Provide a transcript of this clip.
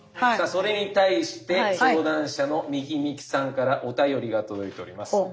それに対して相談者のみきみきさんからお便りが届いております。